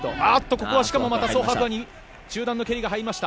ここはまたソ・ハクアに中段の蹴りが入りました。